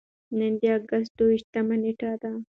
نن د اګست دوه ویشتمه نېټه ده.